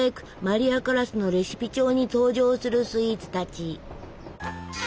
マリア・カラスのレシピ帳に登場するスイーツたち。